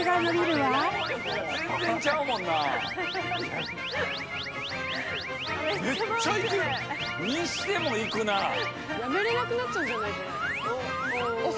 やめれなくなっちゃうんじゃない？